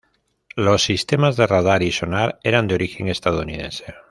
Los sistemas de radar y sonar eran de origen estadounidense.